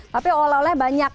tapi oleh oleh banyak